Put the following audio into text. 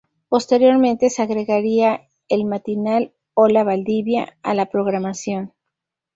Posteriormente se agregaría el matinal "Hola Valdivia" a la programación.